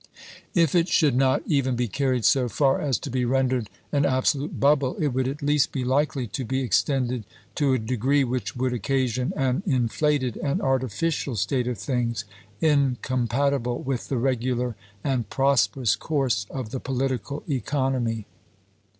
If it should not even be carried so far as to be rendered an absolute bubble, it would at least be likely to be extended to a degree which would occasion an inflated and ar tificial state of things incompatible with the regular and prosperous course of the political economy.